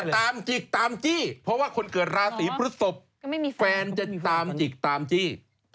จิกตามจี้เพราะว่าคนเกิดราศีพฤศพแฟนจะตามจิกตามจี้